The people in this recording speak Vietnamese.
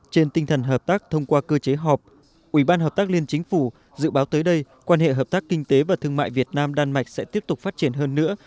trên tinh thần hợp tác thông qua cơ chế họp ủy ban hợp tác liên chính phủ dự báo tới đây quan hệ hợp tác kinh tế và thương mại việt nam đan mạch sẽ tiếp tục phát triển hơn nữa